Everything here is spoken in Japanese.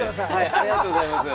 ありがとうございます。